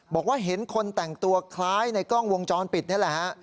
บอกว่าเห็นคนแต่งตัวคล้ายในกล้องวงจรปิดนี่แหละฮะ